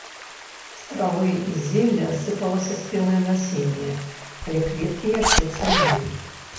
З травы і зелля сыпалася спелае насенне, але кветкі яшчэ цвілі.